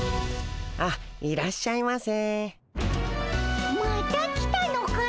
あっいらっしゃいませ。